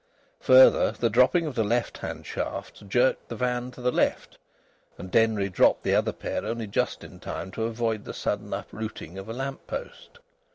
Further, the dropping of the left hand shafts jerked the van to the left, and Denry dropped the other pair only just in time to avoid the sudden uprooting of a lamp post.